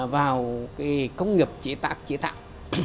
vào công nghiệp chế tạc chế tạo